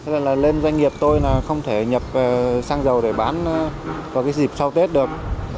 nên doanh nghiệp tôi không thể nhập xăng dầu để bán vào dịp sau tết được